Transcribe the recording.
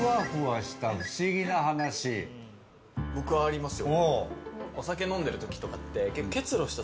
僕はありますよ。